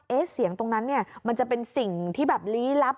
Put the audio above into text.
เสียงตรงนั้นเนี่ยมันจะเป็นสิ่งที่แบบลี้ลับ